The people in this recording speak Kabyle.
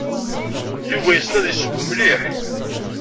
Yuba yessen ad yesseww mliḥ.